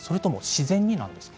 自然になんですか？